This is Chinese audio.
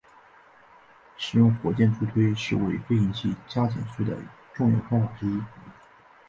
使用火箭助推是为飞行器加减速的重要方法之一。